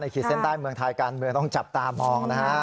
ขีดเส้นใต้เมืองไทยการเมืองต้องจับตามองนะฮะ